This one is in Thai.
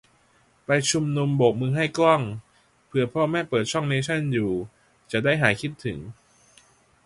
ไปชุมนุมโบกมือให้กล้อง เผื่อพ่อแม่เปิดช่องเนชั่นอยู่จะได้หายคิดถึง